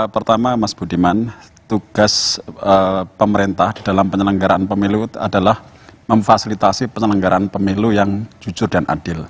pertama mas budiman tugas pemerintah di dalam penyelenggaraan pemilu adalah memfasilitasi penyelenggaraan pemilu yang jujur dan adil